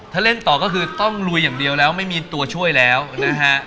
ถ้าเล่นต่อก็คือต้องลุยอย่างเดียวแล้วไม่มีตัวช่วยแล้วนะฮะ